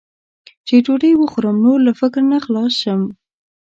چې ډوډۍ وخورم، نور له فکر نه خلاص شم.